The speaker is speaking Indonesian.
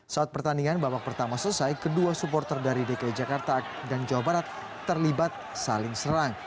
saat pertandingan babak pertama selesai kedua supporter dari dki jakarta dan jawa barat terlibat saling serang